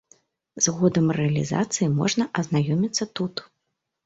З ходам рэалізацыі можна азнаёміцца тут.